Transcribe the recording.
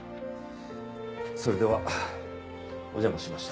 それではお邪魔しました。